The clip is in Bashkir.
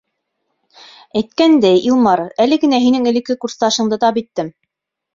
Әйткәндәй, Илмар, әле генә һинең элекке курсташыңды тап иттем.